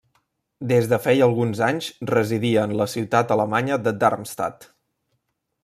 Des de feia alguns anys residia en la ciutat alemanya de Darmstadt.